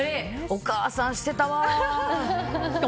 お母さんしてたわ。